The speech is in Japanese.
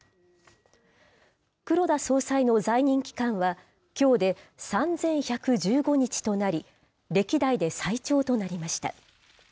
黒田総裁の在任期間は、きょうで３１１５日となり、歴代で最長となりました。